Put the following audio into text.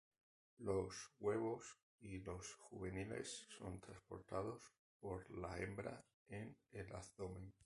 Los huevos y los juveniles son transportados por la hembra en el abdomen.